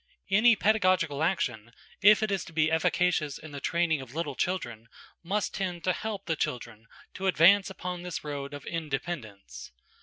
Any pedagogical action, if it is to be efficacious in the training of little children, must tend to help the children to advance upon this road of independence.